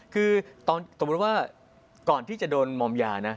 คือตอนสมมุติว่าก่อนที่จะโดนมอมยานะ